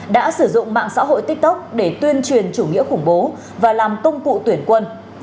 đã sử dụng mạng xã hội tiktok để tuyên truyền chủ nghĩa khủng bố và làm công cụ tuyển quân